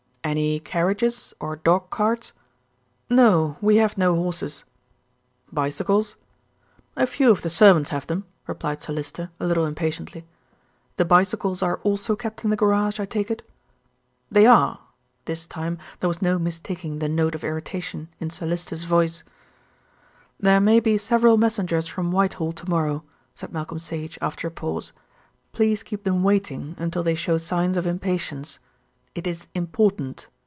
"Any carriages, or dog carts?" "No. We have no horses." "Bicycles?" "A few of the servants have them," replied Sir Lyster, a little impatiently. "The bicycles are also kept in the garage, I take it?" "They are." This time there was no mistaking the note of irritation in Sir Lyster's voice. "There may be several messengers from Whitehall to morrow," said Malcolm Sage, after a pause. "Please keep them waiting until they show signs of impatience. It is important.